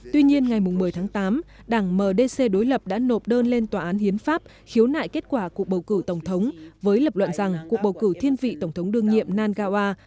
tuy nhiên ngày một mươi tháng tám đảng mdc đối lập đã nộp đơn lên tòa án hiến pháp khiếu nại kết quả cuộc bầu cử tổng thống với lập luận rằng cuộc bầu cử thiên vị tổng thống đương nhiệm nagawa